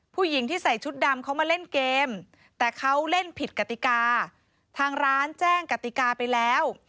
ผู้หญิงที่ใส่ชุดดำเขามาเล่นเกมแต่เขาเล่นผิดกติกาทางร้านแจ้งกติกาไปแล้ว